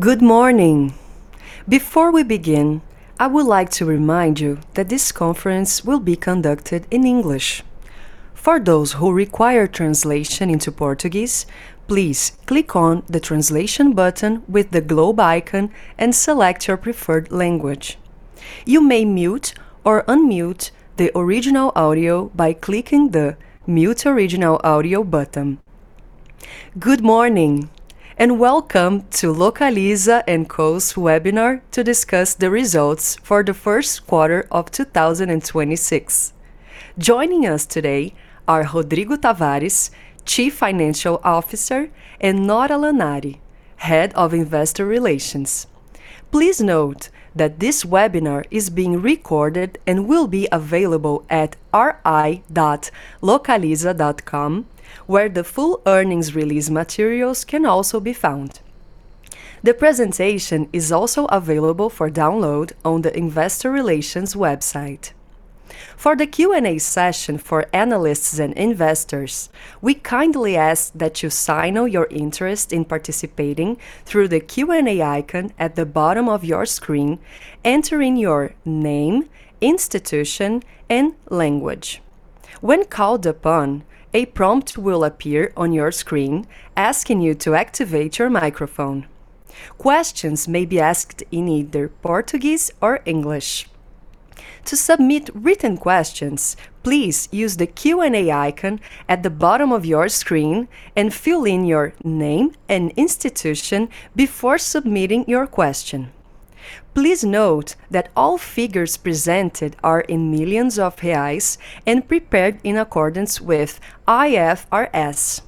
Good morning. Before we begin, I would like to remind you that this conference will be conducted in English. For those who require translation into Portuguese, please click on the translation button with the globe icon and select your preferred language. You may mute or unmute the original audio by clicking the mute original audio button. Good morning. Welcome to Localiza&Co's webinar to discuss the results for the first quarter of 2026. Joining us today are Rodrigo Tavares, Chief Financial Officer, and Nora Lanari, Head of Investor Relations. Please note that this webinar is being recorded and will be available at ri.localiza.com, where the full earnings release materials can also be found. The presentation is also available for download on the investor relations website. For the Q&A session for analysts and investors, we kindly ask that you signal your interest in participating through the Q&A icon at the bottom of your screen, entering your name, institution, and language. When called upon, a prompt will appear on your screen asking you to activate your microphone. Questions may be asked in either Portuguese or English. To submit written questions, please use the Q&A icon at the bottom of your screen and fill in your name and institution before submitting your question. Please note that all figures presented are in millions of reais and prepared in accordance with IFRS.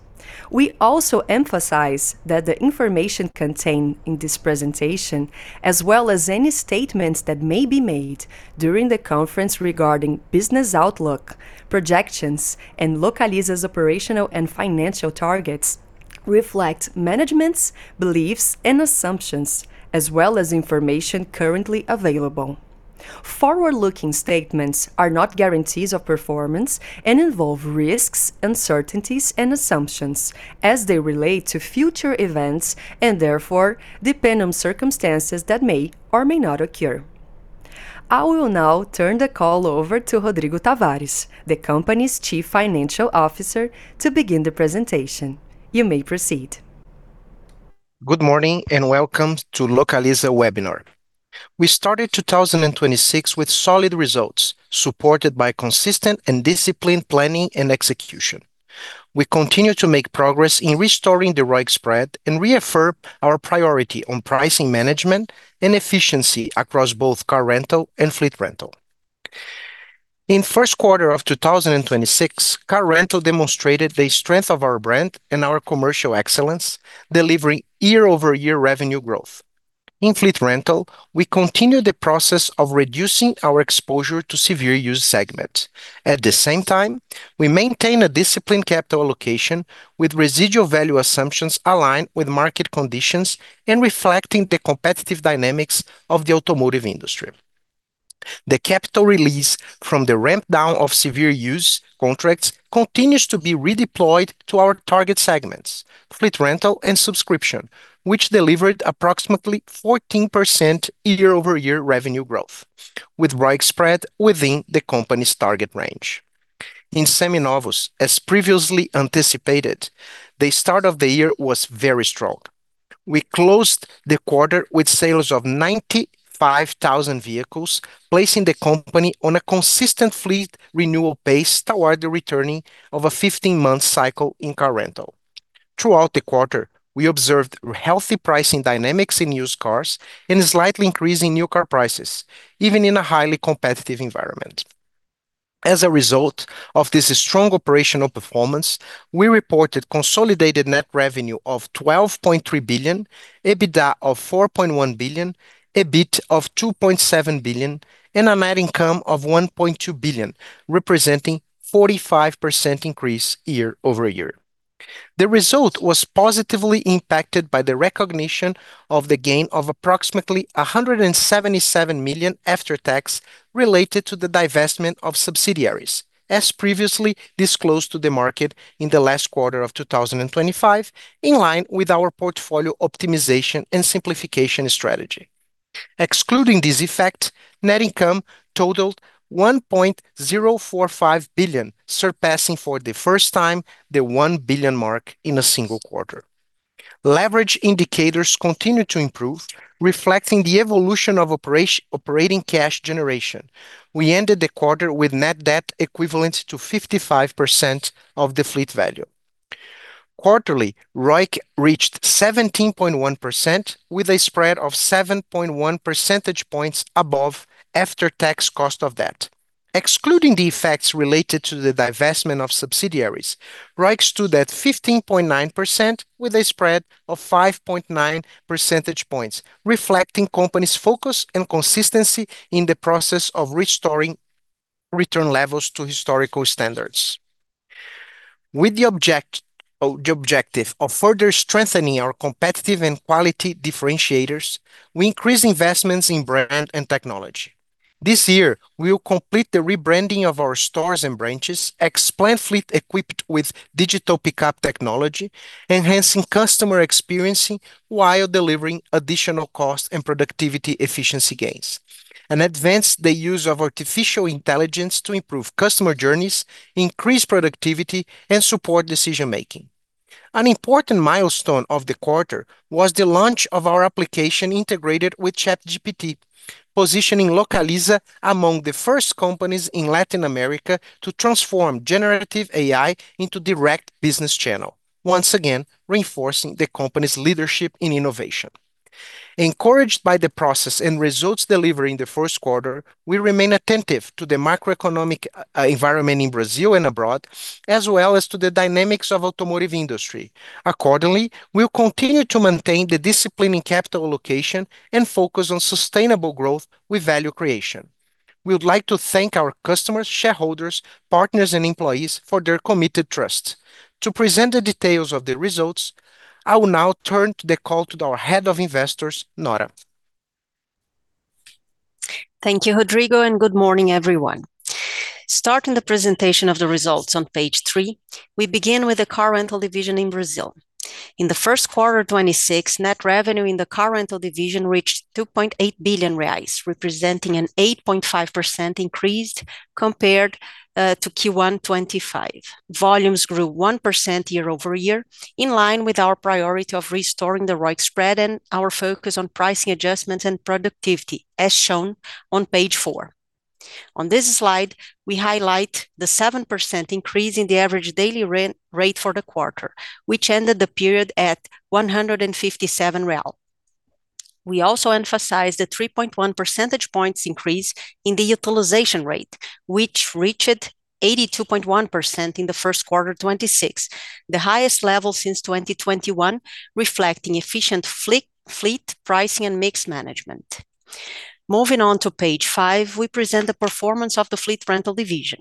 We also emphasize that the information contained in this presentation, as well as any statements that may be made during the conference regarding business outlook, projections, and Localiza's operational and financial targets reflect management's beliefs and assumptions as well as information currently available. Forward-looking statements are not guarantees of performance and involve risks, uncertainties, and assumptions as they relate to future events and therefore depend on circumstances that may or may not occur. I will now turn the call over to Rodrigo Tavares, the company's Chief Financial Officer, to begin the presentation. You may proceed. Good morning, and welcome to Localiza webinar. We started 2026 with solid results, supported by consistent and disciplined planning and execution. We continue to make progress in restoring the ROIC spread and reaffirm our priority on pricing management and efficiency across both Car Rental and Fleet Rental. In first quarter of 2026, Car Rental demonstrated the strength of our brand and our commercial excellence, delivering year-over-year revenue growth. In Fleet Rental, we continued the process of reducing our exposure to severe use segments. At the same time, we maintain a disciplined capital allocation with residual value assumptions aligned with market conditions and reflecting the competitive dynamics of the automotive industry. The capital release from the ramp down of severe use contracts continues to be redeployed to our target segments, Fleet Rental and subscription, which delivered approximately 14% year-over-year revenue growth with ROIC spread within the company's target range. In Seminovos, as previously anticipated, the start of the year was very strong. We closed the quarter with sales of 95,000 vehicles, placing the company on a consistent fleet renewal base toward the returning of a 15-month cycle in Car Rental. Throughout the quarter, we observed healthy pricing dynamics in used cars and a slight increase in new car prices, even in a highly competitive environment. As a result of this strong operational performance, we reported consolidated net revenue of 12.3 billion, EBITDA of 4.1 billion, EBIT of 2.7 billion, and a net income of 1.2 billion, representing 45% increase year-over-year. The result was positively impacted by the recognition of the gain of approximately 177 million after tax related to the divestment of subsidiaries, as previously disclosed to the market in the last quarter of 2025 in line with our portfolio optimization and simplification strategy. Excluding this effect, net income totaled 1.045 billion, surpassing for the first time the 1 billion mark in a single quarter. Leverage indicators continued to improve, reflecting the evolution of operating cash generation. We ended the quarter with net debt equivalent to 55% of the fleet value. Quarterly, ROIC reached 17.1% with a spread of 7.1 percentage points above after-tax cost of debt. Excluding the effects related to the divestment of subsidiaries, ROIC stood at 15.9% with a spread of 5.9 percentage points, reflecting company's focus and consistency in the process of restoring return levels to historical standards. With the objective of further strengthening our competitive and quality differentiators, we increased investments in brand and technology. This year, we will complete the rebranding of our stores and branches, expand fleet equipped with digital pickup technology, enhancing customer experience while delivering additional cost and productivity efficiency gains, and advance the use of artificial intelligence to improve customer journeys, increase productivity, and support decision-making. An important milestone of the quarter was the launch of our application integrated with ChatGPT, positioning Localiza among the first companies in Latin America to transform generative AI into direct business channel, once again, reinforcing the company's leadership in innovation. Encouraged by the process and results delivered in the first quarter, we remain attentive to the macroeconomic environment in Brazil and abroad, as well as to the dynamics of automotive industry. Accordingly, we'll continue to maintain the discipline in capital location and focus on sustainable growth with value creation. We would like to thank our customers, shareholders, partners, and employees for their committed trust. To present the details of the results, I will now turn to the call to our Head of Investor Relations, Nora. Thank you, Rodrigo, and good morning, everyone. Starting the presentation of the results on page three, we begin with the Car Rental division in Brazil. In the first quarter 2026, net revenue in the Car Rental division reached 2.8 billion reais, representing an 8.5% increase compared to Q1 2025. Volumes grew 1% year-over-year in line with our priority of restoring the ROIC spread and our focus on pricing adjustments and productivity, as shown on page four. On this slide, we highlight the 7% increase in the average daily rate for the quarter, which ended the period at 157 real. We also emphasize the 3.1 percentage points increase in the utilization rate, which reached 82.1% in the first quarter 2026, the highest level since 2021, reflecting efficient fleet pricing and mix management. Moving on to page five, we present the performance of the Fleet Rental division.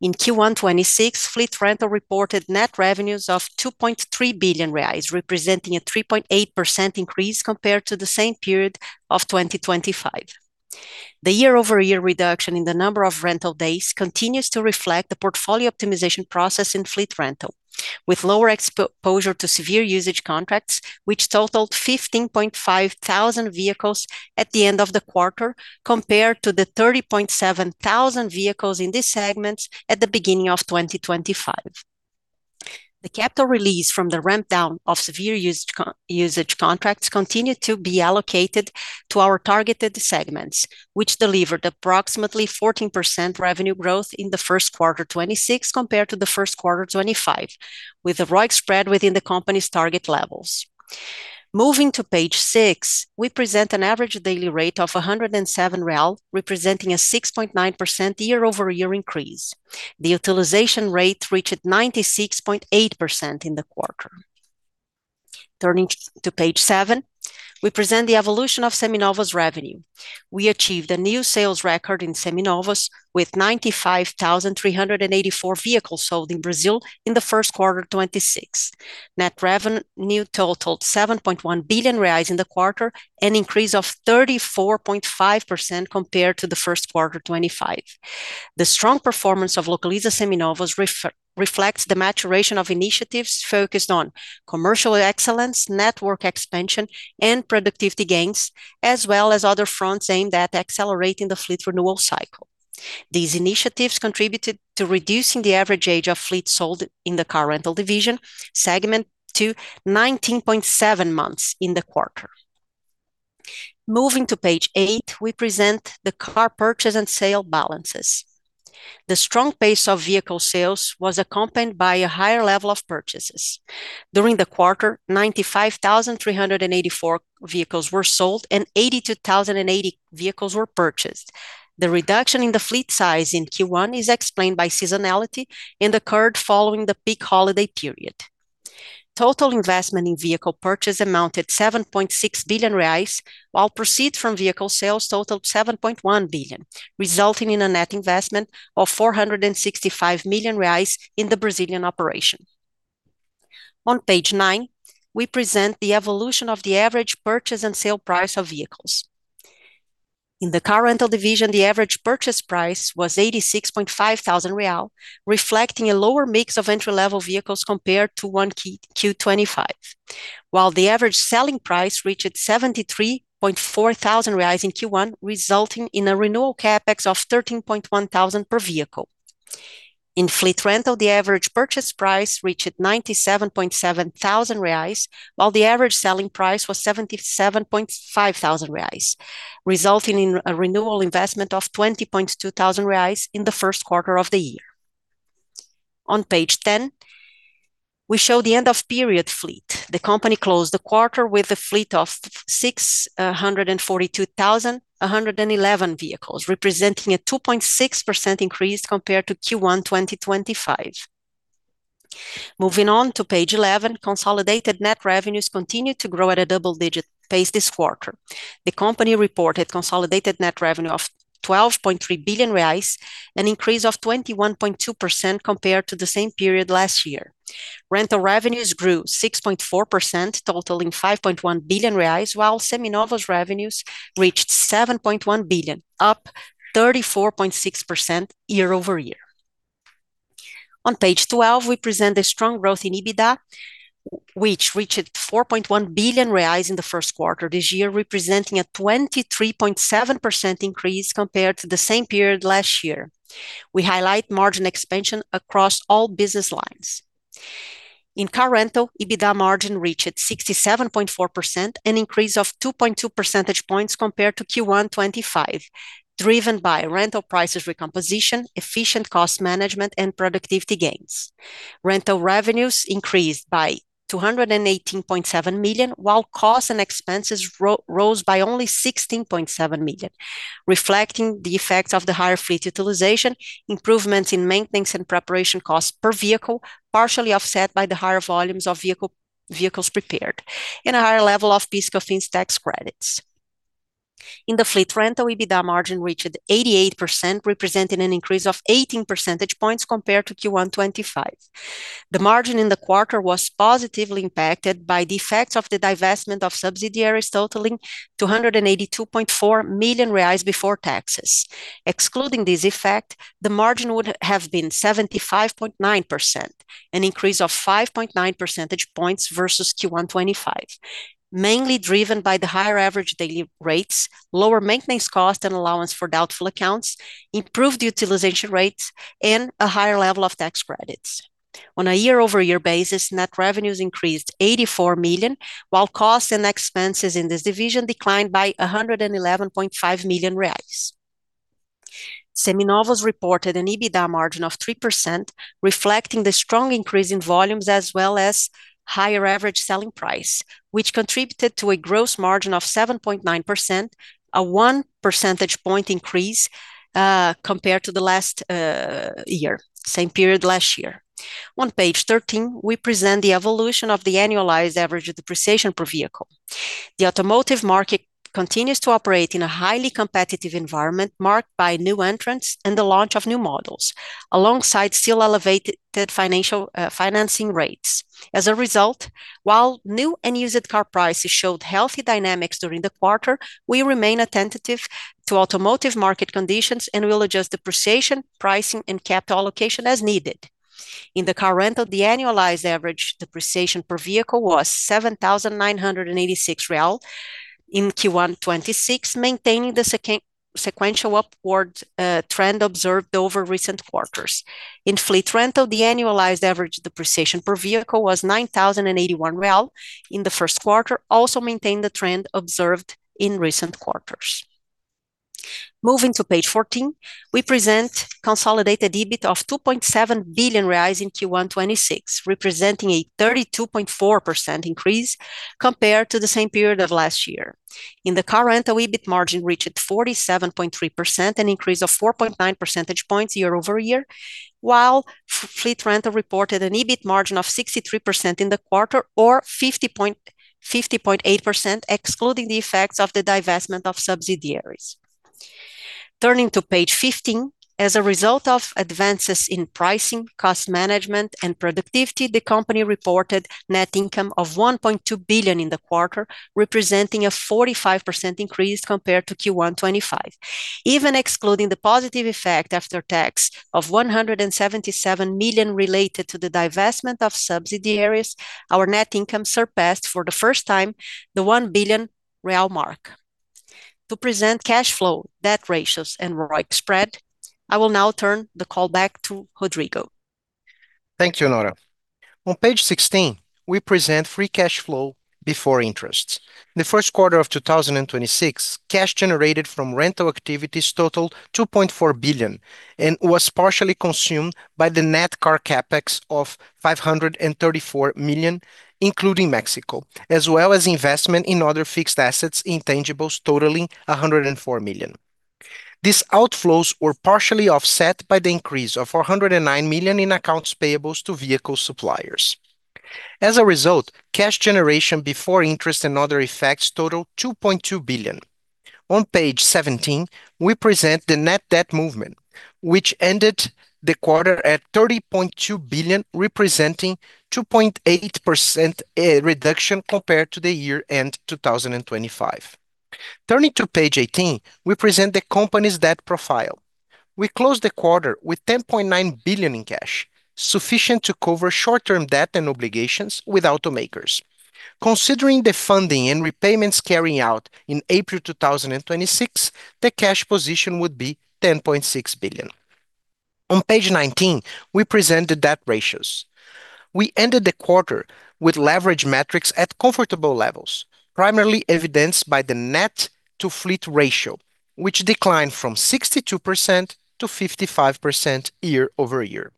In Q1 2026, Fleet Rental reported net revenues of 2.3 billion reais, representing a 3.8% increase compared to the same period of 2025. The year-over-year reduction in the number of rental days continues to reflect the portfolio optimization process in Fleet Rental, with lower exposure to severe usage contracts, which totaled 15,500 vehicles at the end of the quarter compared to the 30,700 vehicles in these segments at the beginning of 2025. The capital release from the ramp down of severe usage contracts continued to be allocated to our targeted segments, which delivered approximately 14% revenue growth in the first quarter 2026 compared to the first quarter 2025, with the ROIC spread within the company's target levels. Moving to page six, we present an average daily rate of 107 real, representing a 6.9% year-over-year increase. The utilization rate reached 96.8% in the quarter. Turning to page seven, we present the evolution of Seminovos revenue. We achieved a new sales record in Seminovos with 95,384 vehicles sold in Brazil in the first quarter 2026. Net revenue new totaled 7.1 billion reais in the quarter, an increase of 34.5% compared to the first quarter 2025. The strong performance of Localiza Seminovos reflects the maturation of initiatives focused on commercial excellence, network expansion, and productivity gains, as well as other fronts aimed at accelerating the fleet renewal cycle. These initiatives contributed to reducing the average age of fleet sold in the Car Rental division segment to 19.7 months in the quarter. Moving to page eight, we present the car purchase and sale balances. The strong pace of vehicle sales was accompanied by a higher level of purchases. During the quarter, 95,384 vehicles were sold, and 82,080 vehicles were purchased. The reduction in the fleet size in Q1 is explained by seasonality and occurred following the peak holiday period. Total investment in vehicle purchase amounted 7.6 billion reais, while proceeds from vehicle sales totaled 7.1 billion, resulting in a net investment of 465 million reais in the Brazilian operation. On page nine, we present the evolution of the average purchase and sale price of vehicles. In the Car Rental division, the average purchase price was 86,500 real, reflecting a lower mix of entry-level vehicles compared to 1Q 2025. While the average selling price reached 73,400 reais in Q1, resulting in a renewal CapEx of 13,100 per vehicle. In Fleet Rental, the average purchase price reached 97,700 reais, while the average selling price was 77,500 reais, resulting in a renewal investment of 20,200 reais in the first quarter of the year. On page 10, we show the end of period fleet. The company closed the quarter with a fleet of 642,111 vehicles, representing a 2.6% increase compared to Q1 2025. Moving on to page 11, consolidated net revenues continued to grow at a double-digit pace this quarter. The company reported consolidated net revenue of 12.3 billion reais, an increase of 21.2% compared to the same period last year. Rental revenues grew 6.4%, totaling 5.1 billion reais, while Seminovos revenues reached 7.1 billion, up 34.6% year-over-year. On page 12, we present a strong growth in EBITDA, which reached 4.1 billion reais in the first quarter this year, representing a 23.7% increase compared to the same period last year. We highlight margin expansion across all business lines. In Car Rental, EBITDA margin reached 67.4%, an increase of 2.2 percentage points compared to Q1 2025, driven by rental prices recomposition, efficient cost management, and productivity gains. Rental revenues increased by 218.7 million, while costs and expenses rose by only 16.7 million, reflecting the effects of the higher fleet utilization, improvements in maintenance and preparation costs per vehicle, partially offset by the higher volumes of vehicles prepared, and a higher level of PIS/COFINS tax credits. In the Fleet Rental, EBITDA margin reached 88%, representing an increase of 18 percentage points compared to Q1 2025. The margin in the quarter was positively impacted by the effects of the divestment of subsidiaries totaling 282.4 million reais before taxes. Excluding this effect, the margin would have been 75.9%, an increase of 5.9 percentage points versus Q1 2025, mainly driven by the higher average daily rates, lower maintenance costs and allowance for doubtful accounts, improved utilization rates, and a higher level of tax credits. On a year-over-year basis, net revenues increased 84 million, while costs and expenses in this division declined by 111.5 million reais. Seminovos reported an EBITDA margin of 3%, reflecting the strong increase in volumes as well as higher average selling price, which contributed to a gross margin of 7.9%, a 1 percentage point increase compared to the last year, same period last year. On page 13, we present the evolution of the annualized average depreciation per vehicle. The automotive market continues to operate in a highly competitive environment marked by new entrants and the launch of new models, alongside still elevated financial financing rates. While new and used car prices showed healthy dynamics during the quarter, we remain attentive to automotive market conditions and will adjust depreciation, pricing, and capital allocation as needed. In the Car Rental, the annualized average depreciation per vehicle was 7,986 real in Q1 2026, maintaining the sequential upward trend observed over recent quarters. In Fleet Rental, the annualized average depreciation per vehicle was 9,081 real in the first quarter, also maintained the trend observed in recent quarters. Moving to page 14, we present consolidated EBIT of 2.7 billion reais in Q1 2026, representing a 32.4% increase compared to the same period of last year. In the Car Rental, EBIT margin reached 47.3%, an increase of 4.9 percentage points year-over-year, while Fleet Rental reported an EBIT margin of 63% in the quarter, or 50.8% excluding the effects of the divestment of subsidiaries. Turning to page 15, as a result of advances in pricing, cost management, and productivity, the company reported net income of 1.2 billion in the quarter, representing a 45% increase compared to Q1 2025. Even excluding the positive effect after tax of 177 million related to the divestment of subsidiaries, our net income surpassed for the first time the 1 billion real mark. To present cash flow, debt ratios, and ROIC spread, I will now turn the call back to Rodrigo. Thank you, Nora. On page 16, we present free cash flow before interest. In the first quarter of 2026, cash generated from rental activities totaled 2.4 billion and was partially consumed by the net car CapEx of 534 million, including Mexico, as well as investment in other fixed assets, intangibles totaling 104 million. These outflows were partially offset by the increase of 109 million in accounts payables to vehicle suppliers. As a result, cash generation before interest and other effects totaled 2.2 billion. On page 17, we present the net debt movement, which ended the quarter at 30.2 billion, representing 2.8% a reduction compared to the year-end 2025. Turning to page 18, we present the company's debt profile. We closed the quarter with 10.9 billion in cash, sufficient to cover short-term debt and obligations with automakers. Considering the funding and repayments carrying out in April 2026, the cash position would be 10.6 billion. On page 19, we present the debt ratios. We ended the quarter with leverage metrics at comfortable levels, primarily evidenced by the net-to-fleet ratio, which declined from 62% to 55% year-over-year.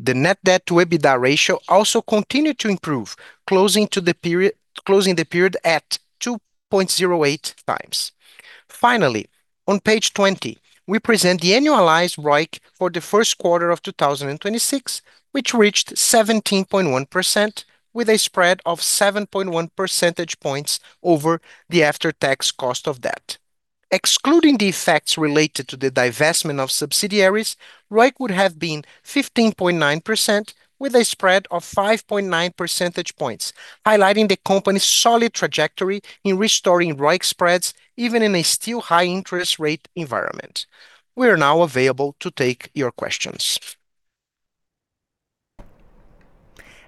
The net debt to EBITDA ratio also continued to improve, closing the period at 2.08x. Finally, on page 20, we present the annualized ROIC for the first quarter of 2026, which reached 17.1% with a spread of 7.1 percentage points over the after-tax cost of debt. Excluding the effects related to the divestment of subsidiaries, ROIC would have been 15.9% with a spread of 5.9 percentage points, highlighting the company's solid trajectory in restoring ROIC spreads even in a still high interest rate environment. We are now available to take your questions.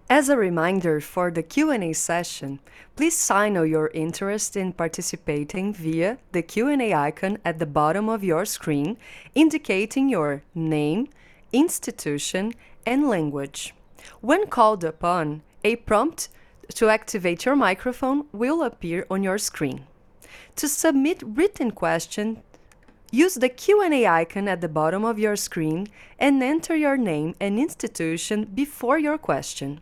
As a reminder for the Q&A session, please signal your interest in participating via the Q&A icon at the bottom of your screen, indicating your name, institution, and language. When called upon, a prompt to activate your microphone will appear on your screen. To submit written question, use the Q&A icon at the bottom of your screen and enter your name and institution before your question.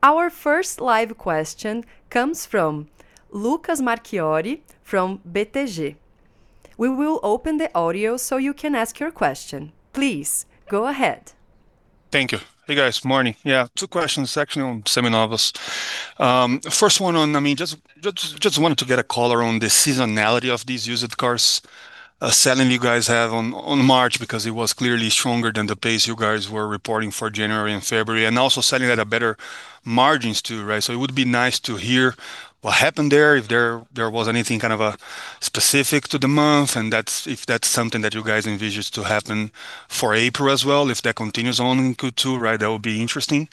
Our first live question comes from Lucas Marquiori from BTG. We will open the audio so you can ask your question. Please, go ahead. Thank you. Hey, guys. Morning. Yeah, two questions actually on Seminovos. First one on, I mean, just wanted to get a call around the seasonality of these used cars, selling you guys have on March because it was clearly stronger than the pace you guys were reporting for January and February, and also selling at a better margins too, right? It would be nice to hear what happened there, if there was anything kind of a specific to the month and that's, if that's something that you guys envision to happen for April as well, if that continues on in Q2, right? That would be interesting.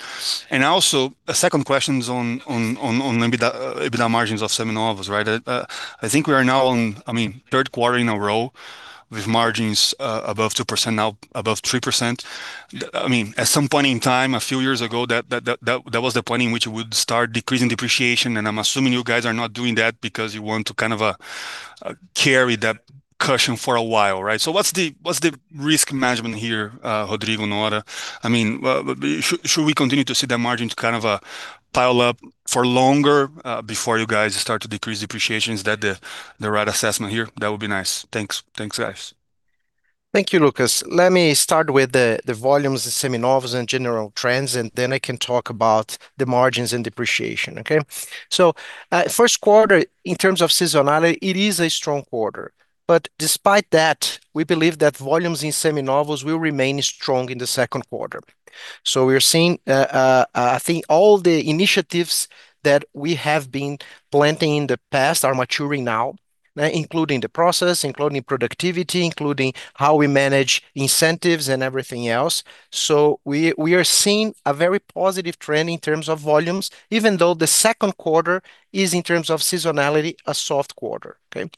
Also, a second question's on EBITDA margins of Seminovos, right? I think we are now on, I mean, third quarter in a row with margins above 2%, now above 3%. I mean, at some point in time a few years ago that was the point in which you would start decreasing depreciation and I'm assuming you guys are not doing that because you want to kind of carry that cushion for a while, right? What's the, what's the risk management here, Rodrigo, Nora? I mean, should we continue to see the margins kind of pile up for longer before you guys start to decrease depreciation? Is that the right assessment here? That would be nice. Thanks. Thanks, guys. Thank you, Lucas. Let me start with the volumes of Seminovos and general trends, I can talk about the margins and depreciation. Okay? First quarter in terms of seasonality, it is a strong quarter. Despite that, we believe that volumes in Seminovos will remain strong in the second quarter. We are seeing, I think all the initiatives that we have been planting in the past are maturing now, including the process, including productivity, including how we manage incentives and everything else. We are seeing a very positive trend in terms of volumes, even though the second quarter is, in terms of seasonality, a soft quarter. Okay?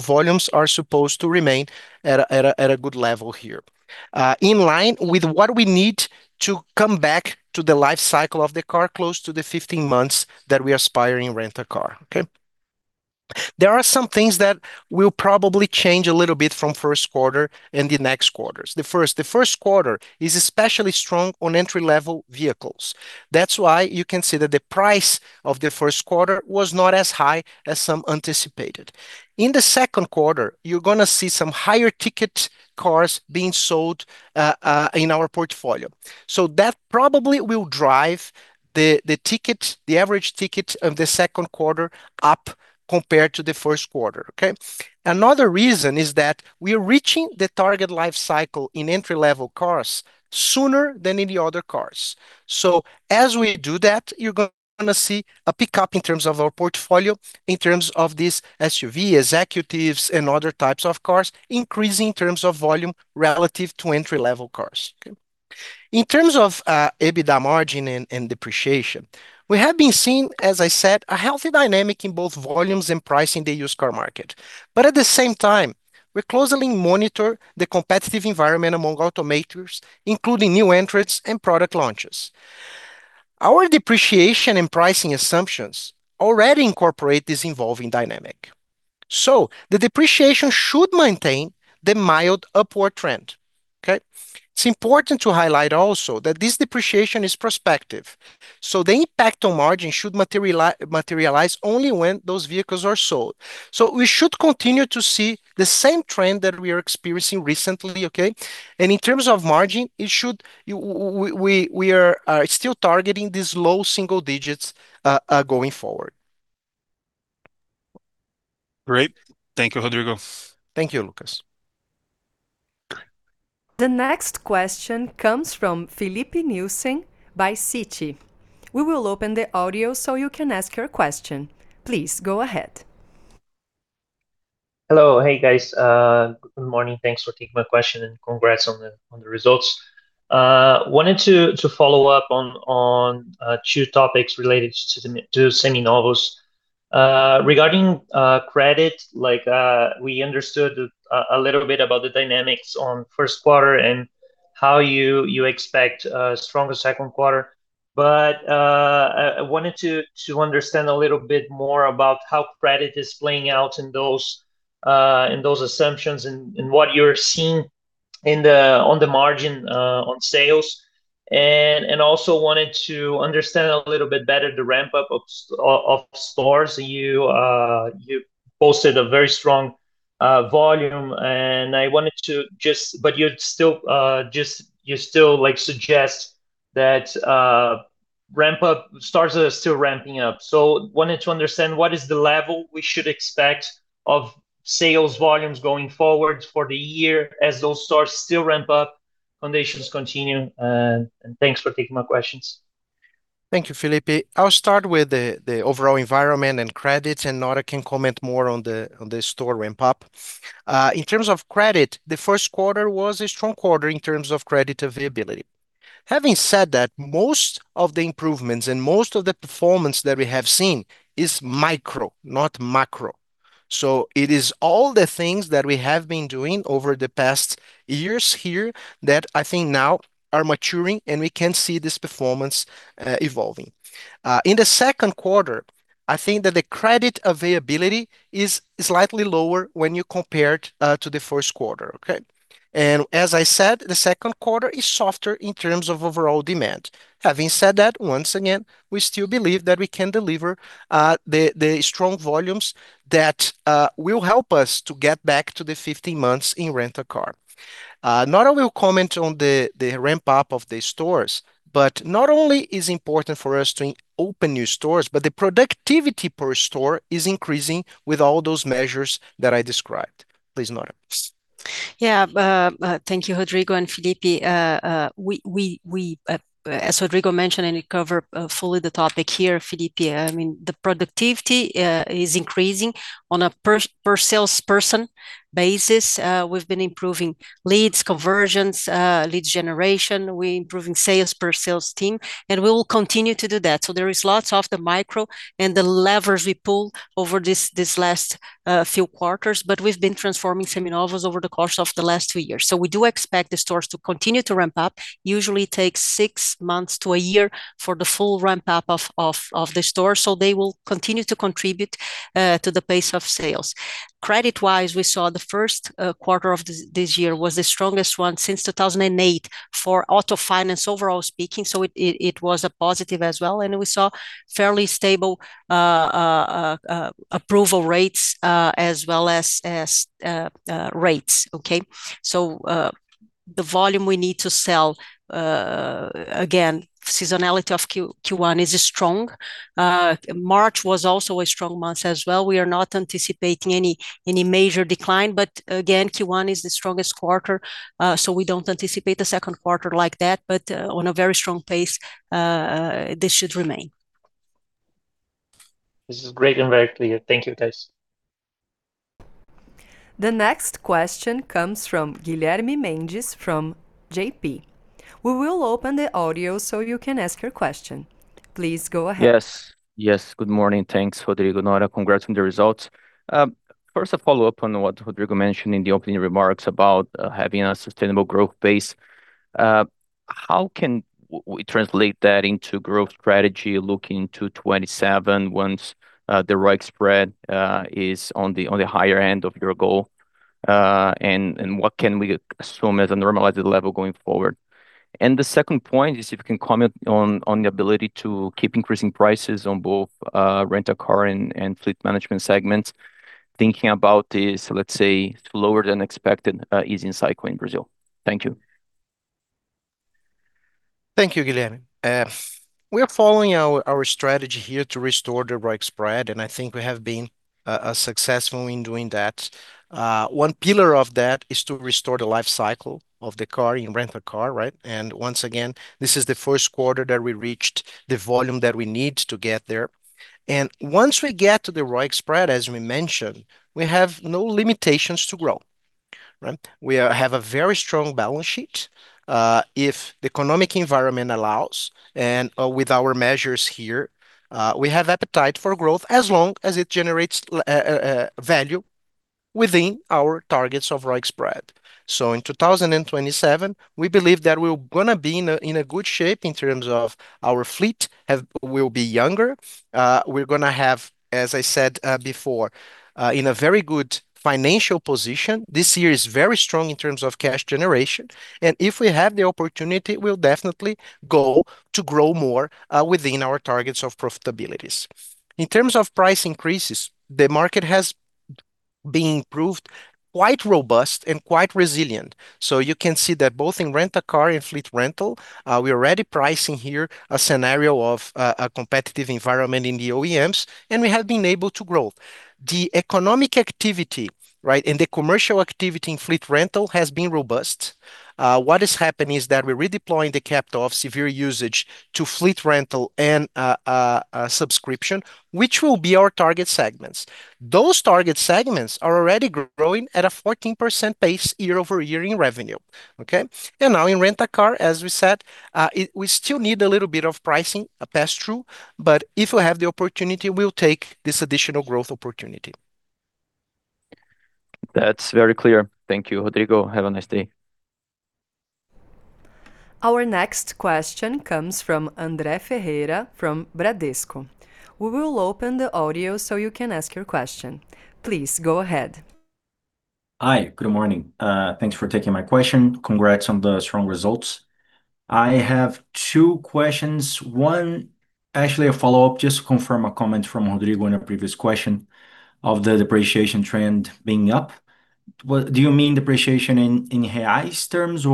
Volumes are supposed to remain at a good level here, in line with what we need to come back to the life cycle of the car close to the 15 months that we aspire in Car Rental. Okay? There are some things that will probably change a little bit from first quarter and the next quarters. The first quarter is especially strong on entry-level vehicles. That's why you can see that the price of the first quarter was not as high as some anticipated. In the second quarter, you're gonna see some higher ticket cars being sold in our portfolio. That probably will drive the average ticket of the second quarter up compared to the first quarter. Okay? Another reason is that we are reaching the target life cycle in entry-level cars sooner than any other cars. As we do that, you're going to see a pickup in terms of our portfolio, in terms of these SUV, executives and other types of cars increase in terms of volume relative to entry-level cars. Okay? In terms of EBITDA margin and depreciation, we have been seeing, as I said, a healthy dynamic in both volumes and pricing the used car market. At the same time, we closely monitor the competitive environment among automakers, including new entrants and product launches. Our depreciation and pricing assumptions already incorporate this evolving dynamic, so the depreciation should maintain the mild upward trend. Okay? It's important to highlight also that this depreciation is prospective, so the impact on margin should materialize only when those vehicles are sold. We should continue to see the same trend that we are experiencing recently. Okay? In terms of margin, it should we are still targeting these low single digits going forward. Great. Thank you, Rodrigo. Thank you, Lucas. The next question comes from Filipe Nielsen by Citi. We will open the audio so you can ask your question. Please, go ahead. Hello. Hey, guys. Good morning. Thanks for taking my question. Congrats on the results. Wanted to follow up on two topics related to the Seminovos. Regarding credit, we understood a little bit about the dynamics on first quarter and how you expect a stronger second quarter. I wanted to understand a little bit more about how credit is playing out in those assumptions and what you're seeing on the margin on sales. Also wanted to understand a little bit better the ramp up of stores. You posted a very strong volume. You still suggest that stores are still ramping up. Wanted to understand what is the level we should expect of sales volumes going forward for the year as those stores still ramp up, foundations continue? Thanks for taking my questions. Thank you, Filipe. I'll start with the overall environment and credits. Nora can comment more on the store ramp up. In terms of credit, the first quarter was a strong quarter in terms of credit availability. Having said that, most of the improvements and most of the performance that we have seen is micro, not macro. It is all the things that we have been doing over the past years here that I think now are maturing and we can see this performance evolving. In the second quarter, I think that the credit availability is slightly lower when you compare it to the first quarter. Okay? As I said, the second quarter is softer in terms of overall demand. Having said that, once again, we still believe that we can deliver the strong volumes that will help us to get back to the 15 months in Car Rental. Nora will comment on the ramp up of the stores, but not only is important for us to open new stores, but the productivity per store is increasing with all those measures that I described. Please, Nora. Thank you, Rodrigo and Filipe. As Rodrigo mentioned, and you cover fully the topic here, Filipe, I mean, the productivity is increasing on a per salesperson basis. We've been improving leads, conversions, lead generation. We're improving sales per sales team, and we will continue to do that. There is lots of the micro and the levers we pull over this last few quarters, but we've been transforming Seminovos over the course of the last two years. We do expect the stores to continue to ramp up. Usually takes six months to one year for the full ramp up of the stores, so they will continue to contribute to the pace of sales. Credit-wise, we saw the first quarter of this year was the strongest one since 2008 for auto finance, overall speaking, it was a positive as well. We saw fairly stable approval rates as well as rates. The volume we need to sell, again, seasonality of Q1 is strong. March was also a strong month as well. We are not anticipating any major decline. Again, Q1 is the strongest quarter, we don't anticipate the second quarter like that, on a very strong pace, this should remain. This is great and very clear. Thank you, guys. The next question comes from Guilherme Mendes from JPMorgan. We will open the audio so you can ask your question. Please go ahead. Yes. Yes. Good morning. Thanks, Rodrigo, Nora. Congrats on the results. First a follow-up on what Rodrigo mentioned in the opening remarks about having a sustainable growth base. How can we translate that into growth strategy looking to 2027 once the ROIC spread is on the higher end of your goal? What can we assume as a normalized level going forward? The second point is if you can comment on the ability to keep increasing prices on both rent a car and Fleet Rental segments, thinking about this, let's say, slower than expected easing cycle in Brazil. Thank you. Thank you, Guilherme. We are following our strategy here to restore the ROIC spread, and I think we have been successful in doing that. One pillar of that is to restore the life cycle of the car in rent a car, right? Once again, this is the first quarter that we reached the volume that we need to get there. Once we get to the ROIC spread, as we mentioned, we have no limitations to grow, right? We have a very strong balance sheet. If the economic environment allows, with our measures here, we have appetite for growth as long as it generates value within our targets of ROIC spread. In 2027, we believe that we're gonna be in a good shape in terms of our fleet have will be younger. We're going to have, as I said, before, in a very good financial position. This year is very strong in terms of cash generation. If we have the opportunity, we'll definitely go to grow more within our targets of profitabilities. In terms of price increases, the market has been proved quite robust and quite resilient. You can see that both in Car Rental and Fleet Rental, we're already pricing here a scenario of a competitive environment in the OEMs. We have been able to grow. The economic activity, right, the commercial activity in Fleet Rental has been robust. What has happened is that we're redeploying the capital of severe usage to Fleet Rental and a subscription, which will be our target segments. Those target segments are already growing at a 14% pace year-over-year in revenue. Okay. Now in Car Rental, as we said, we still need a little bit of pricing, a pass-through. If we have the opportunity, we'll take this additional growth opportunity. That's very clear. Thank you, Rodrigo. Have a nice day. Our next question comes from André Ferreira from Bradesco. We will open the audio so you can ask your question. Please go ahead. Hi. Good morning. Thanks for taking my question. Congrats on the strong results. I have two questions. One, actually a follow-up just to confirm a comment from Rodrigo in a previous question of the depreciation trend being up. Do you mean depreciation in reais terms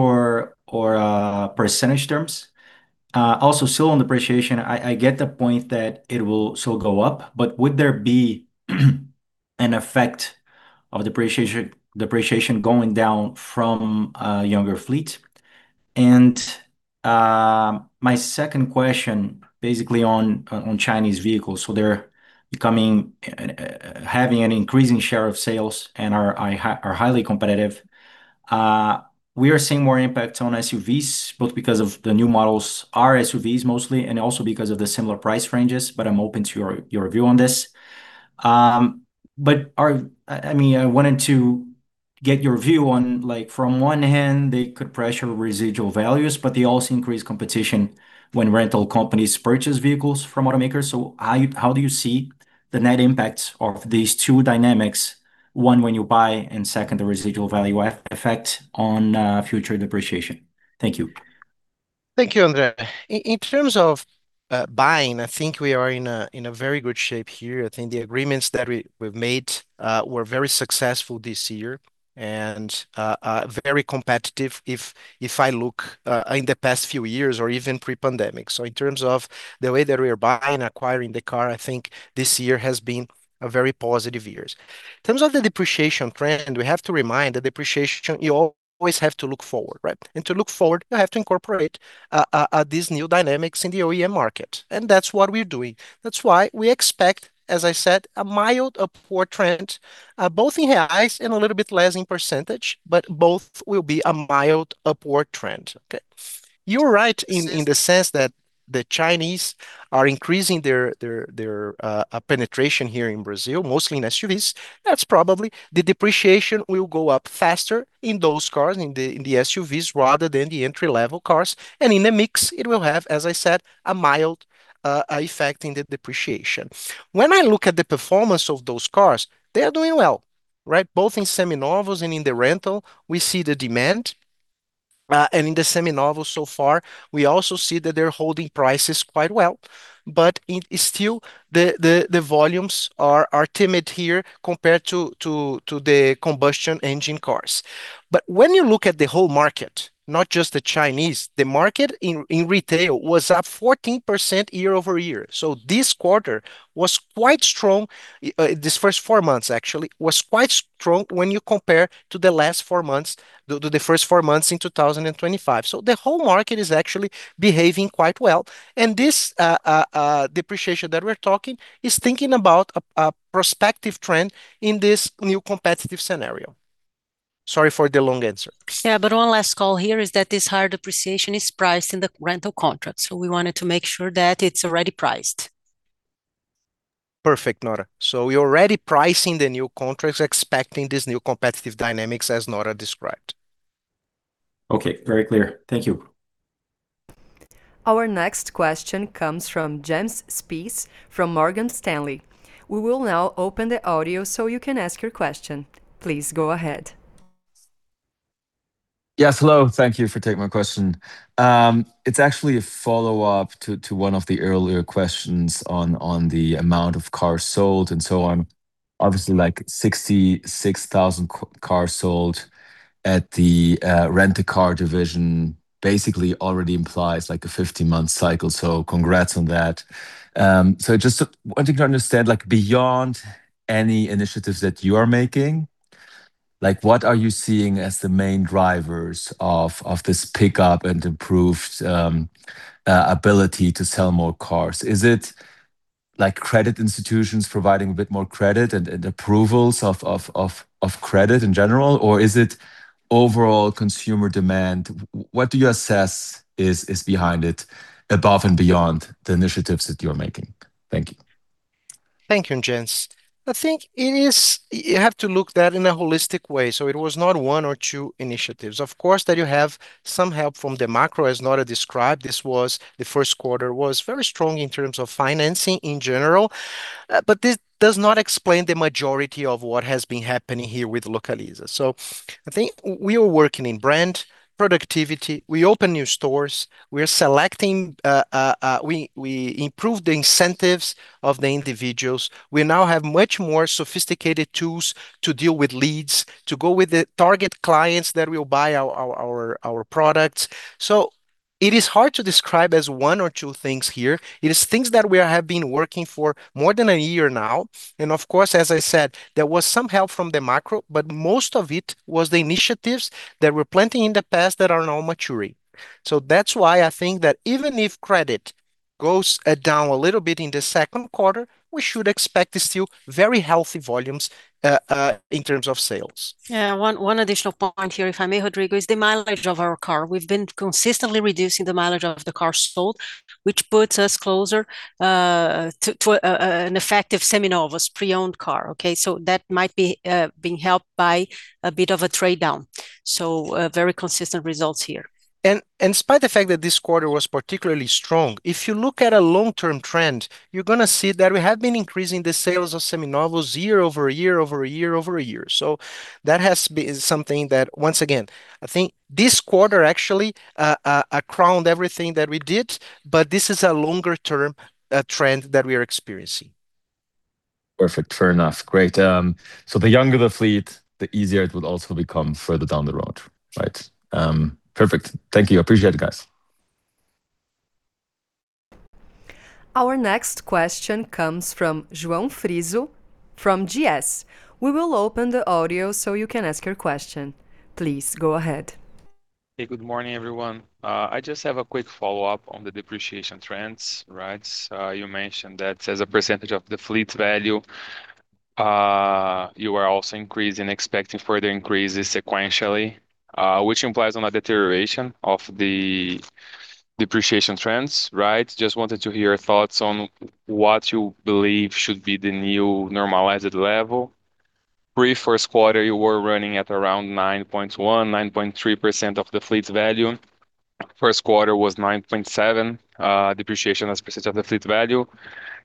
or percentage terms? Also still on depreciation, I get the point that it will still go up, but would there be an effect of depreciation going down from a younger fleet? My second question basically on Chinese vehicles. They're becoming having an increasing share of sales and are highly competitive. We are seeing more impact on SUVs both because of the new models are SUVs mostly, and also because of the similar price ranges, but I'm open to your view on this. I mean, I wanted to get your view on, like, from one hand they could pressure residual values, but they also increase competition when rental companies purchase vehicles from automakers. How you, how do you see the net impacts of these two dynamics, one when you buy, and second the residual value effect on future depreciation? Thank you. Thank you, André. In terms of buying, I think we are in a very good shape here. I think the agreements that we've made were very successful this year and very competitive if I look in the past few years or even pre-pandemic. In terms of the way that we are buying, acquiring the car, I think this year has been a very positive years. In terms of the depreciation trend, we have to remind the depreciation you always have to look forward, right? To look forward, you have to incorporate these new dynamics in the OEM market, and that's what we're doing. That's why we expect, as I said, a mild upward trend, both in RI and a little bit less in percentage, but both will be a mild upward trend. Okay? You're right in the sense that the Chinese are increasing their penetration here in Brazil, mostly in SUVs. That's probably the depreciation will go up faster in those cars, in the SUVs rather than the entry-level cars. In the mix it will have, as I said, a mild effect in the depreciation. When I look at the performance of those cars, they are doing well, right? Both in Seminovos and in the rental we see the demand. In the Seminovos so far, we also see that they're holding prices quite well, in still the volumes are timid here compared to the combustion engine cars. When you look at the whole market, not just the Chinese, the market in retail was up 14% year-over-year. This quarter was quite strong. These first four months actually was quite strong when you compare to the last four months, to the first four months in 2025. The whole market is actually behaving quite well. This depreciation that we're talking is thinking about a prospective trend in this new competitive scenario. Sorry for the long answer. One last call here is that this higher depreciation is priced in the rental contract. We wanted to make sure that it's already priced. Perfect, Nora. We're already pricing the new contracts expecting this new competitive dynamics as Nora described. Okay. Very clear. Thank you. Our next question comes from Jens Spiess from Morgan Stanley. We will now open the audio so you can ask your question. Please go ahead. Yes. Hello. Thank you for taking my question. It's actually a follow-up to one of the earlier questions on the amount of cars sold and so on. Obviously, like 66,000 cars sold at the Car Rental division basically already implies like a 15-month cycle, congrats on that. Just wanting to understand, like beyond any initiatives that you are making, like what are you seeing as the main drivers of this pickup and improved ability to sell more cars? Is it like credit institutions providing a bit more credit and approvals of credit in general, or is it overall consumer demand? What do you assess is behind it above and beyond the initiatives that you're making? Thank you. Thank you, Jens. I think you have to look that in a holistic way, it was not one or two initiatives. Of course, that you have some help from the macro, as Nora described. This was, the first quarter was very strong in terms of financing in general. This does not explain the majority of what has been happening here with Localiza. I think we are working in brand productivity. We open new stores. We are selecting, we improve the incentives of the individuals. We now have much more sophisticated tools to deal with leads, to go with the target clients that will buy our products. It is hard to describe as one or two things here. It is things that we have been working for more than a year now. Of course, as I said, there was some help from the macro, but most of it was the initiatives that were plenty in the past that are now maturing. That's why I think that even if credit goes down a little bit in the second quarter, we should expect still very healthy volumes in terms of sales. Yeah. One additional point here, if I may, Rodrigo, is the mileage of our car. We've been consistently reducing the mileage of the cars sold, which puts us closer to an effective Seminovos, pre-owned car, okay? That might be being helped by a bit of a trade down. Very consistent results here. Despite the fact that this quarter was particularly strong, if you look at a long-term trend, you're gonna see that we have been increasing the sales of Seminovos year-over-year, year-over-year, year-over-year. That has been something that, once again, I think this quarter actually crowned everything that we did, but this is a longer-term trend that we are experiencing. Perfect. Fair enough. Great. The younger the fleet, the easier it will also become further down the road, right? Perfect. Thank you. Appreciate it, guys. Our next question comes from João Frizo from GS. We will open the audio so you can ask your question. Please, go ahead. Hey, good morning, everyone. I just have a quick follow-up on the depreciation trends, right? You mentioned that as a percentage of the fleet value, you are also increasing, expecting further increases sequentially, which implies on a deterioration of the depreciation trends, right? Just wanted to hear your thoughts on what you believe should be the new normalized level. Pre-first quarter you were running at around 9.1, 9.3% of the fleet value. First quarter was 9.7, depreciation as a percentage of the fleet value.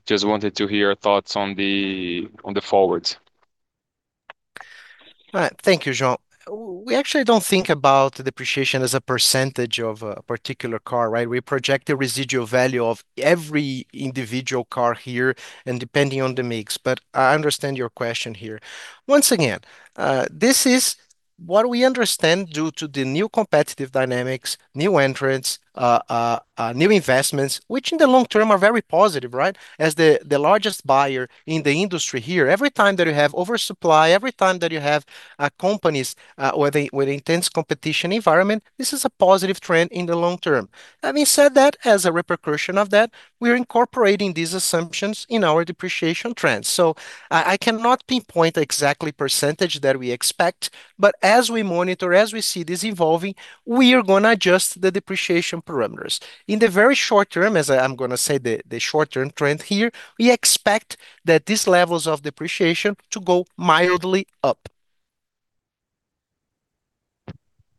Just wanted to hear your thoughts on the forwards. Thank you, João. We actually don't think about depreciation as a percentage of a particular car, right? We project a residual value of every individual car here and depending on the mix, but I understand your question here. Once again, this is what we understand due to the new competitive dynamics, new entrants, new investments, which in the long term are very positive, right? As the largest buyer in the industry here, every time that you have oversupply, every time that you have companies with intense competition environment, this is a positive trend in the long term. Having said that, as a repercussion of that, we're incorporating these assumptions in our depreciation trends. I cannot pinpoint exactly percentage that we expect, but as we monitor, as we see this evolving, we are gonna adjust the depreciation parameters. In the very short term, as I am gonna say the short-term trend here, we expect that these levels of depreciation to go mildly up.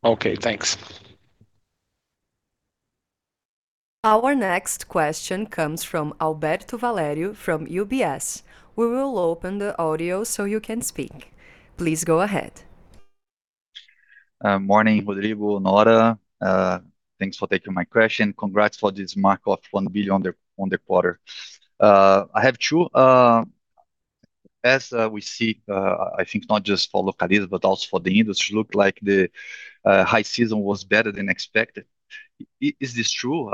Okay, thanks. Our next question comes from Alberto Valerio from UBS. We will open the audio so you can speak. Please go ahead. Morning, Rodrigo, Nora. Thanks for taking my question. Congrats for this mark of 1 billion on the quarter. I have two. As we see, I think not just for Localiza, but also for the industry, look like the high season was better than expected. Is this true?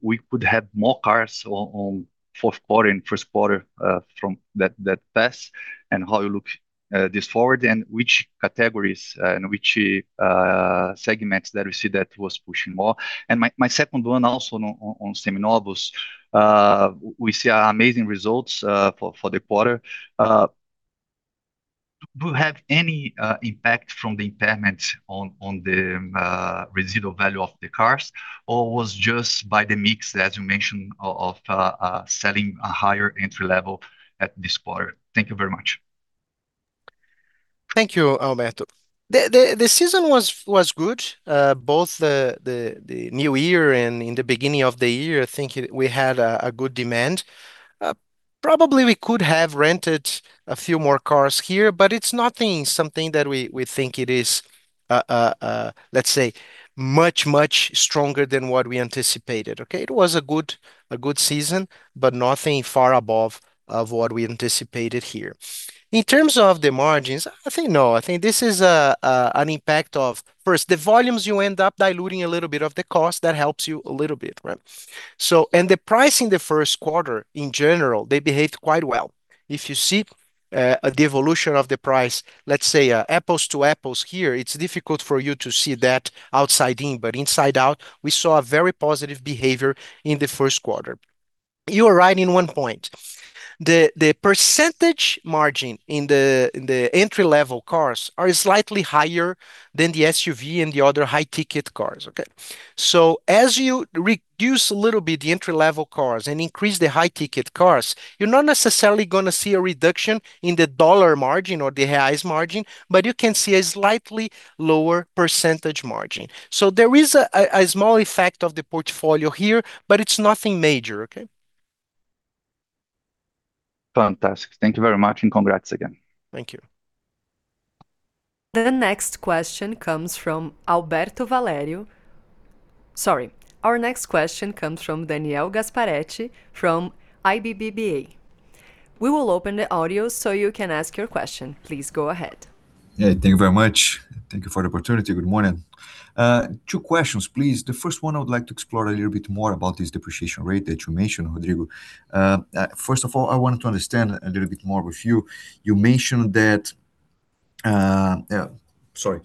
We could have more cars on fourth quarter and first quarter from that past, and how you look this forward, and which categories and which segments that we see that was pushing more. My second one also on Seminovos. We see amazing results for the quarter. Do you have any impact from the impairment on the residual value of the cars, or was just by the mix, as you mentioned, of selling a higher entry level at this quarter? Thank you very much. Thank you, Alberto. The season was good. Both the new year and in the beginning of the year, I think we had a good demand. Probably we could have rented a few more cars here, but it's nothing, something that we think it is, let's say much, much stronger than what we anticipated. It was a good season, nothing far above of what we anticipated here. In terms of the margins, I think no. I think this is an impact of first the volumes you end up diluting a little bit of the cost, that helps you a little bit. The price in the first quarter in general, they behaved quite well. If you see the evolution of the price, let's say, apples to apples here, it's difficult for you to see that outside in, but inside out we saw a very positive behavior in the first quarter. You are right in one point. The percentage margin in the entry-level cars are slightly higher than the SUV and the other high-ticket cars. Okay. As you reduce a little bit the entry-level cars and increase the high-ticket cars, you're not necessarily gonna see a reduction in the dollar margin or the highest margin, but you can see a slightly lower percentage margin. There is a small effect of the portfolio here, but it's nothing major. Okay. Fantastic. Thank you very much and congrats again. Thank you. The next question comes from Alberto Valerio. Sorry. Our next question comes from Daniel Gasparete from IBBA. We will open the audio so you can ask your question. Please go ahead. Yeah, thank you very much. Thank you for the opportunity. Good morning. Two questions, please. The first one I would like to explore a little bit more about this depreciation rate that you mentioned, Rodrigo. First of all, I wanted to understand a little bit more with you. You mentioned that, Yeah, sorry.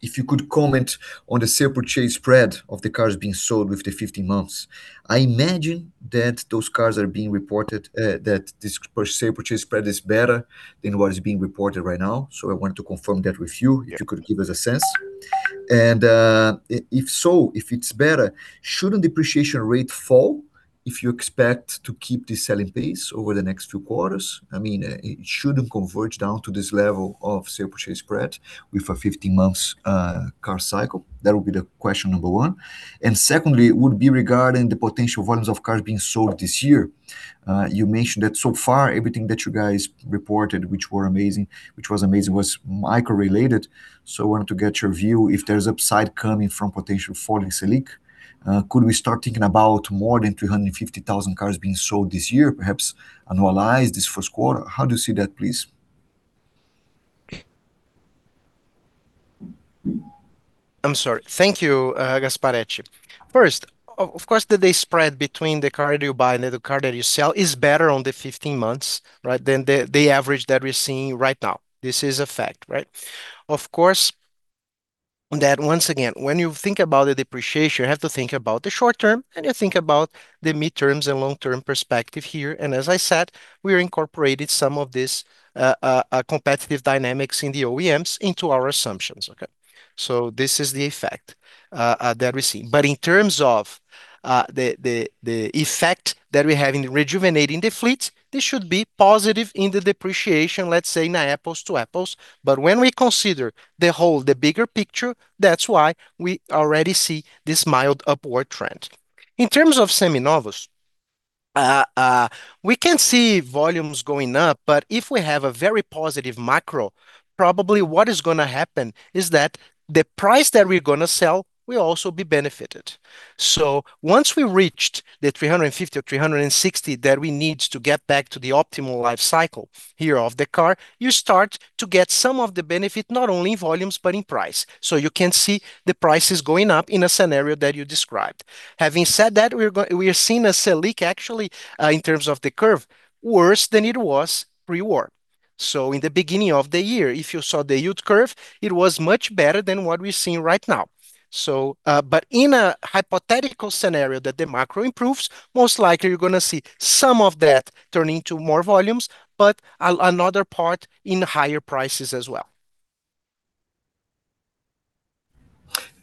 If you could comment on the sale purchase spread of the cars being sold with the 15 months. I imagine that those cars are being reported, that this sale purchase spread is better than what is being reported right now. I want to confirm that with you. Yeah. If you could give us a sense. If so, if it's better, shouldn't depreciation rate fall if you expect to keep the selling pace over the next two quarters? I mean, it shouldn't converge down to this level of sale purchase spread with a 15 months car cycle. That would be the question number one. Secondly, it would be regarding the potential volumes of cars being sold this year. You mentioned that so far everything that you guys reported, which was amazing, was micro-related. I wanted to get your view if there's upside coming from potential falling Selic. Could we start thinking about more than 350,000 cars being sold this year, perhaps annualized this first quarter? How do you see that, please? I'm sorry. Thank you, Gasparete. First, of course, the day spread between the car that you buy and the car that you sell is better on the 15 months, right, than the average that we're seeing right now. This is a fact, right? Once again, when you think about the depreciation, you have to think about the short term and you think about the mid-terms and long-term perspective here. As I said, we are incorporated some of this competitive dynamics in the OEMs into our assumptions. Okay? This is the effect that we're seeing. In terms of the effect that we have in rejuvenating the fleet, this should be positive in the depreciation, let's say now apples to apples. When we consider the whole, the bigger picture, that's why we already see this mild upward trend. In terms of Seminovos, we can see volumes going up, if we have a very positive macro, probably what is gonna happen is that the price that we're gonna sell will also be benefited. Once we reached the 350 or 360 that we need to get back to the optimal life cycle here of the car, you start to get some of the benefit, not only in volumes, but in price. You can see the prices going up in a scenario that you described. Having said that, we are seeing a Selic actually, in terms of the curve worse than it was pre-war. In the beginning of the year, if you saw the yield curve, it was much better than what we're seeing right now. But in a hypothetical scenario that the macro improves, most likely you're gonna see some of that turn into more volumes, but another part in higher prices as well.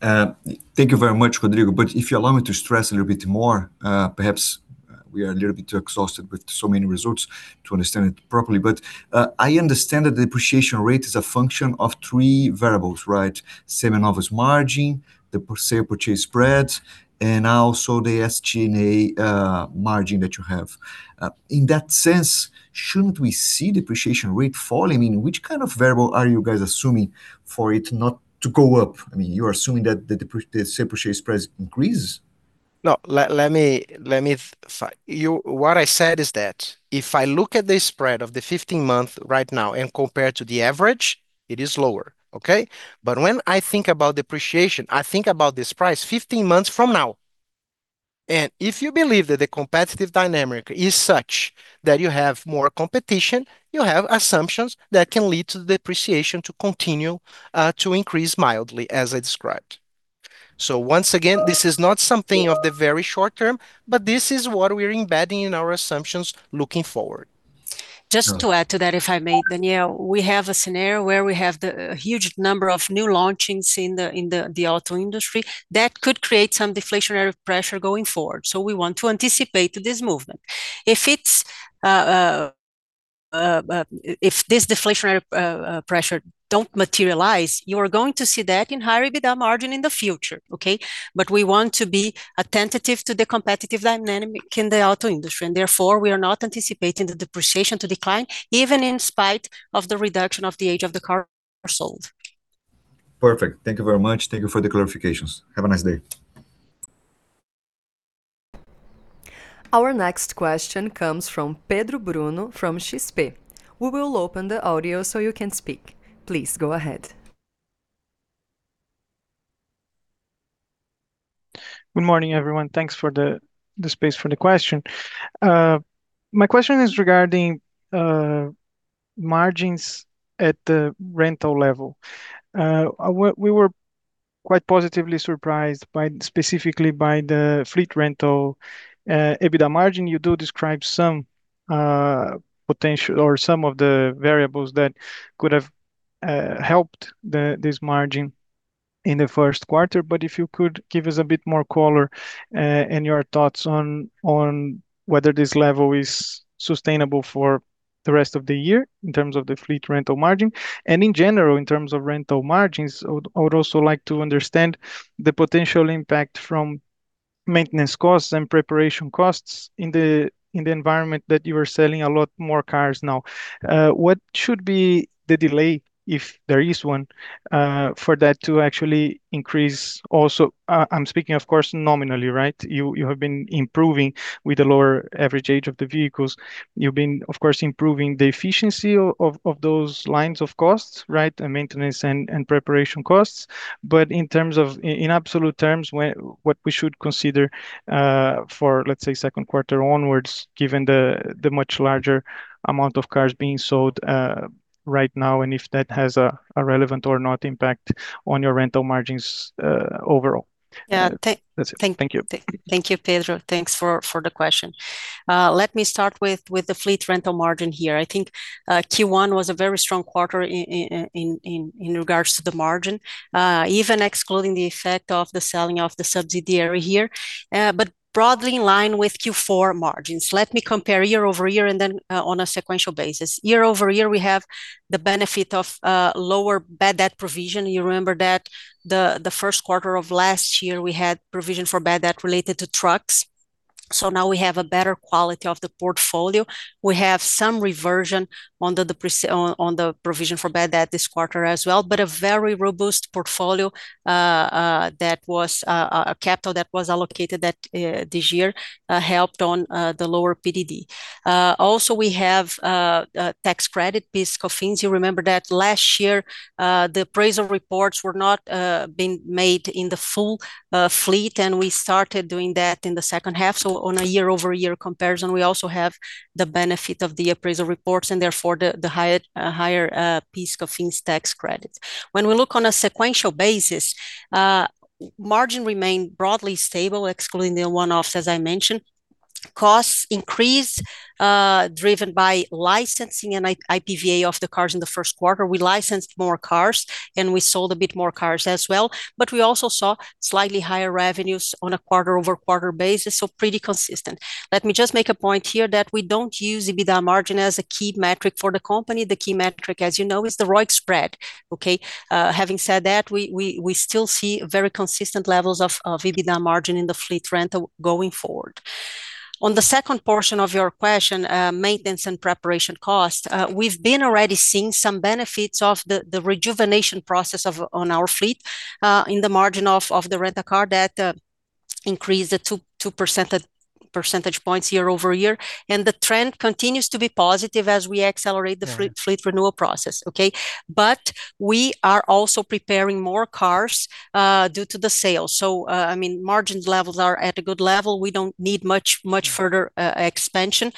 Thank you very much, Rodrigo. If you allow me to stress a little bit more, perhaps, we are a little bit exhausted with so many results to understand it properly. I understand that the depreciation rate is a function of three variables, right? Seminovos margin, the per sale purchase spread, and also the SG&A margin that you have. In that sense, shouldn't we see depreciation rate falling? I mean, which kind of variable are you guys assuming for it not to go up? I mean, you are assuming that the sale purchase price increases. No. Let me What I said is that if I look at the spread of the 15-month right now and compare to the average, it is lower. Okay. When I think about depreciation, I think about this price 15 months from now. If you believe that the competitive dynamic is such that you have more competition, you have assumptions that can lead to the depreciation to continue to increase mildly as I described. Once again, this is not something of the very short term, but this is what we're embedding in our assumptions looking forward. To add to that, if I may, Daniel. We have a scenario where we have a huge number of new launchings in the auto industry that could create some deflationary pressure going forward, we want to anticipate this movement. If this deflationary pressure don't materialize, you are going to see that in higher EBITDA margin in the future. Okay? We want to be attentive to the competitive dynamic in the auto industry, and therefore, we are not anticipating the depreciation to decline, even in spite of the reduction of the age of the car sold. Perfect. Thank you very much. Thank you for the clarifications. Have a nice day. Our next question comes from Pedro Bruno from XP. We will open the audio so you can speak. Please go ahead. Good morning, everyone. Thanks for the space for the question. My question is regarding margins at the rental level. We were quite positively surprised by, specifically by the Fleet Rental EBITDA margin. You do describe some potential or some of the variables that could have helped this margin in the first quarter. If you could give us a bit more color and your thoughts on whether this level is sustainable for the rest of the year in terms of the Fleet Rental margin. In general, in terms of rental margins, I would also like to understand the potential impact from maintenance costs and preparation costs in the environment that you are selling a lot more cars now. What should be the delay, if there is one, for that to actually increase also. I'm speaking, of course, nominally, right? You have been improving with the lower average age of the vehicles. You've been, of course, improving the efficiency of those lines of costs, right? Maintenance and preparation costs. In absolute terms, what we should consider for, let's say, second quarter onwards, given the much larger amount of cars being sold right now, and if that has a relevant or not impact on your rental margins overall. Yeah. That's it. Thank you. Thank you, Pedro. Thanks for the question. Let me start with the Fleet Rental margin here. I think Q1 was a very strong quarter in regards to the margin, even excluding the effect of the selling of the subsidiary here. Broadly in line with Q4 margins. Let me compare year-over-year on a sequential basis. Year-over-year, we have the benefit of lower bad debt provision. You remember that the first quarter of last year, we had provision for bad debt related to trucks. Now we have a better quality of the portfolio. We have some reversion on the provision for bad debt this quarter as well, but a very robust portfolio that was a capital that was allocated that this year helped on the lower PDD. Also we have tax credit, PIS/Cofins. You remember that last year, the appraisal reports were not being made in the full fleet, and we started doing that in the second half. On a year-over-year comparison, we also have the benefit of the appraisal reports and therefore the higher PIS/Cofins tax credits. When we look on a sequential basis, margin remained broadly stable, excluding the one-offs, as I mentioned. Costs increased, driven by licensing and IPVA of the cars in the first quarter. We licensed more cars, and we sold a bit more cars as well, but we also saw slightly higher revenues on a quarter-over-quarter basis, so pretty consistent. Let me just make a point here that we don't use EBITDA margin as a key metric for the company. The key metric, as you know, is the ROIC spread. Okay? Having said that, we still see very consistent levels of EBITDA margin in the Fleet Rental going forward. On the second portion of your question, maintenance and preparation cost, we've been already seeing some benefits of the rejuvenation process on our fleet, in the margin of the Car Rental that increased to 2 percentage points year-over-year. The trend continues to be positive as we accelerate the fleet renewal process. Okay? We are also preparing more cars due to the sale. I mean, margin levels are at a good level. We don't need much further expansion.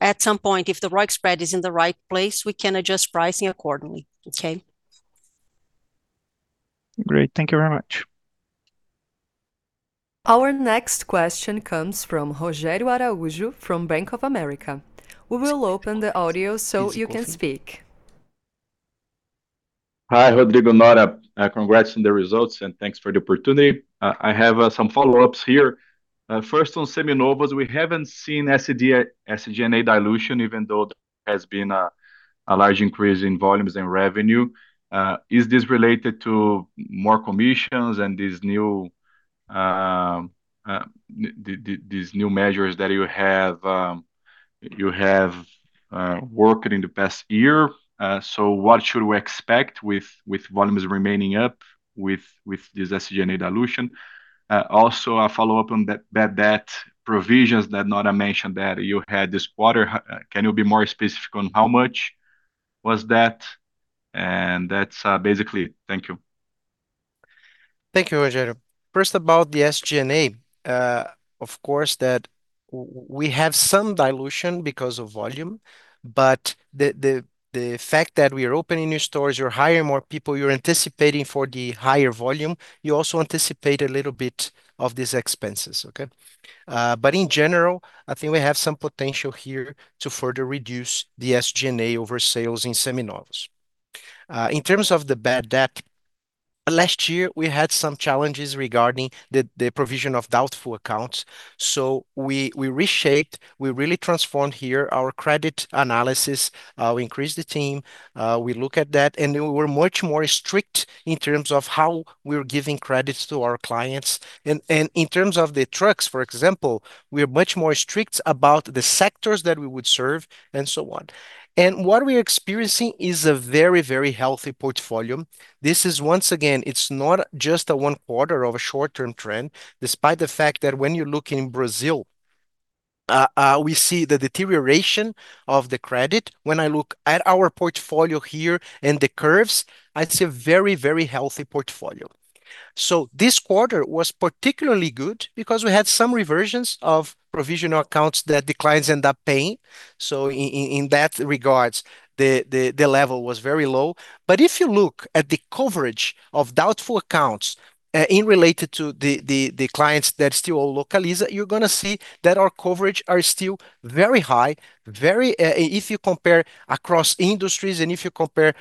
At some point, if the ROIC spread is in the right place, we can adjust pricing accordingly. Okay? Great. Thank you very much. Our next question comes from Rogério Araújo from Bank of America. We will open the audio so you can speak. Hi, Rodrigo, Nora. Congrats on the results, and thanks for the opportunity. I have some follow-ups here. First on Seminovos, we haven't seen SG&A dilution even though there has been a large increase in volumes and revenue. Is this related to more commissions and these new measures that you have worked in the past year? What should we expect with volumes remaining up with this SG&A dilution? Also a follow-up on bad debt provisions that Nora mentioned that you had this quarter. Can you be more specific on how much was that? That's basically it. Thank you. Thank you, Rogério. First, about the SG&A, of course that we have some dilution because of volume, but the fact that we are opening new stores, you're hiring more people, you're anticipating for the higher volume, you also anticipate a little bit of these expenses. Okay. In general, I think we have some potential here to further reduce the SG&A over sales in Seminovos. In terms of the bad debt, last year we had some challenges regarding the provision of doubtful accounts, we reshaped, we really transformed here our credit analysis. We increased the team. We look at that, we were much more strict in terms of how we're giving credits to our clients. In terms of the trucks, for example, we are much more strict about the sectors that we would serve and so on. What we're experiencing is a very, very healthy portfolio. This is, once again, it's not just a one quarter of a short-term trend, despite the fact that when you look in Brazil, we see the deterioration of the credit. When I look at our portfolio here and the curves, I'd say a very, very healthy portfolio. This quarter was particularly good because we had some reversions of provisional accounts that the clients end up paying. In that regards, the level was very low. If you look at the coverage of doubtful accounts, in related to the clients that still owe Localiza, you're gonna see that our coverage are still very high. Very, if you compare across industries and if you compare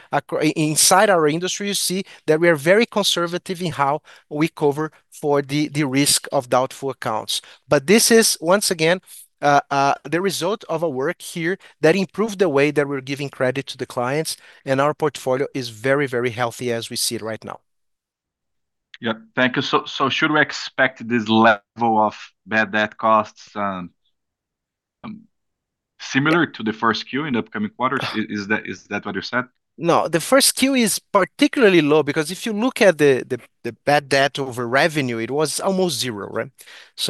inside our industry, you see that we are very conservative in how we cover for the risk of doubtful accounts. This is, once again, the result of a work here that improved the way that we're giving credit to the clients, and our portfolio is very, very healthy as we see it right now. Yeah. Thank you. Should we expect this level of bad debt costs, similar to the 1Q in the upcoming quarters? Is that what you said? No. The 1Q is particularly low because if you look at the, the bad debt over revenue, it was almost zero, right?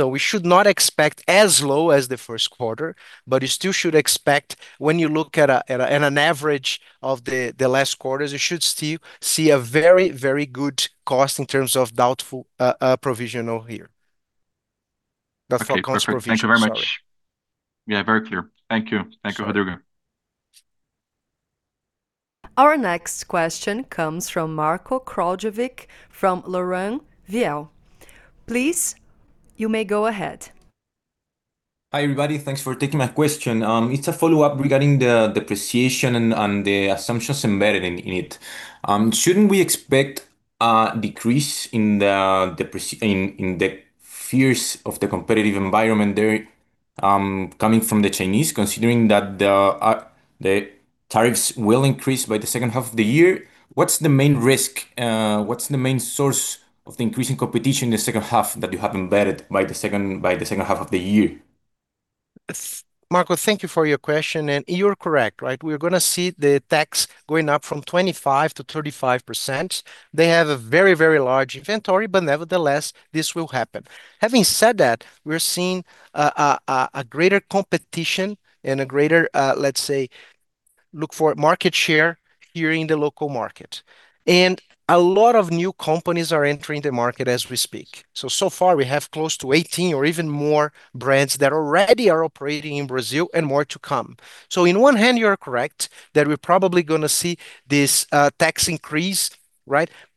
We should not expect as low as the first quarter, but you still should expect when you look at a, at a, at an average of the last quarters, you should still see a very, very good cost in terms of doubtful provisional here. Okay. Perfect. Thank you very much. Provision, sorry. Yeah, very clear. Thank you. Thank you, Rodrigo. Our next question comes from Marko Kraljevic from LarrainVial. Please, you may go ahead. Hi, everybody. Thanks for taking my question. It's a follow-up regarding the depreciation and the assumptions embedded in it. Shouldn't we expect a decrease in the fears of the competitive environment there? Coming from the Chinese, considering that the tariffs will increase by the second half of the year, what's the main risk, what's the main source of the increasing competition in the second half that you have embedded by the second half of the year? Marko, thank you for your question, and you're correct. We're gonna see the tax going up from 25% to 35%. They have a very, very large inventory, but nevertheless, this will happen. Having said that, we're seeing a greater competition and a greater, let's say, look for market share here in the local market. A lot of new companies are entering the market as we speak. So far we have close to 18 or even more brands that already are operating in Brazil, and more to come. In one hand, you are correct that we're probably gonna see this tax increase,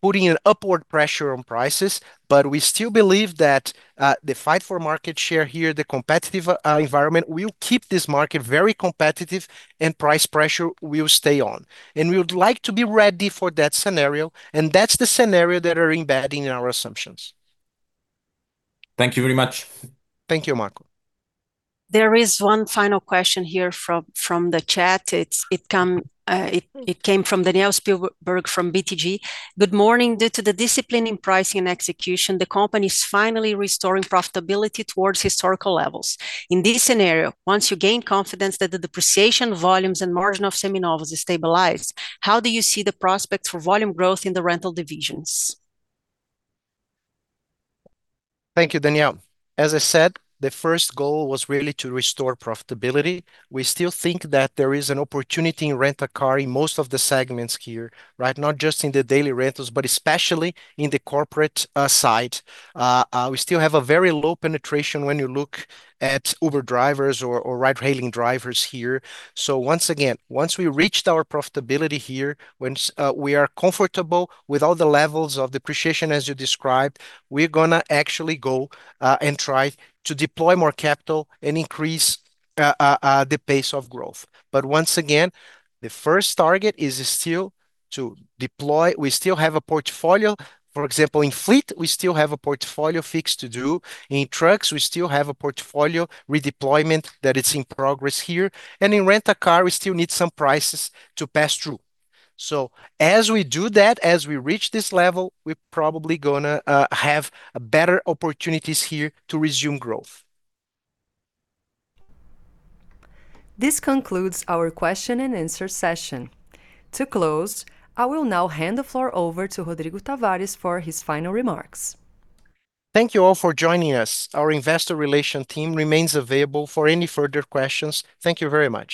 putting an upward pressure on prices, We still believe that the fight for market share here, the competitive environment will keep this market very competitive and price pressure will stay on. We would like to be ready for that scenario, and that's the scenario that are embedded in our assumptions. Thank you very much. Thank you, Marko. There is one final question here from the chat. It came from Danielle Spielberg from BTG. Good morning. Due to the discipline in pricing and execution, the company's finally restoring profitability towards historical levels. In this scenario, once you gain confidence that the depreciation volumes and margin of Seminovos is stabilized, how do you see the prospects for volume growth in the rental divisions? Thank you, Danielle. I said, the first goal was really to restore profitability. We still think that there is an opportunity in Car Rental in most of the segments here, right? Not just in the daily rentals, but especially in the corporate side. We still have a very low penetration when you look at Uber drivers or ride-hailing drivers here. Once again, once we reached our profitability here, once we are comfortable with all the levels of depreciation as you described, we're gonna actually go and try to deploy more capital and increase the pace of growth. Once again, the first target is still to deploy. We still have a portfolio. For example, in Fleet Rental, we still have a portfolio fix to do. In trucks, we still have a portfolio redeployment that it's in progress here. In Car Rental, we still need some prices to pass through. As we do that, as we reach this level, we're probably gonna have better opportunities here to resume growth. This concludes our question and answer session. To close, I will now hand the floor over to Rodrigo Tavares for his final remarks. Thank you all for joining us. Our Investor Relations team remains available for any further questions. Thank you very much.